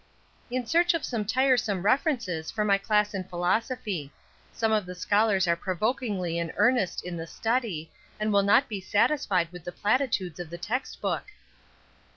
"In search of some tiresome references for my class in philosophy. Some of the scholars are provokingly in earnest in the study, and will not be satisfied with the platitudes of the text book."